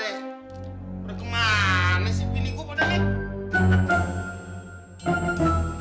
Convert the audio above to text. berkemana sih pini ko pada nek